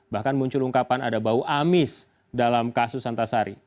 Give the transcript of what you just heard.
bahkan muncul ungkapan ada bau amis dalam kasus antasari